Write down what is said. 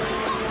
あ！